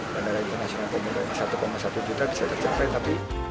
bandara internasional komuter satu satu juta bisa tercapai tapi